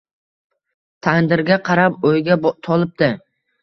tandirga qarab o'yga tolibdi